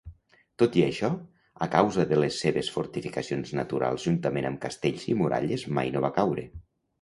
Tot i això, a causa de les seves fortificacions naturals juntament amb castells i muralles mai no va caure.